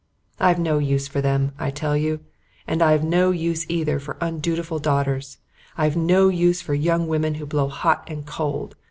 I've no use for them, I tell you. And I've no use either for undutiful daughters. I've no use for young women who blow hot and cold.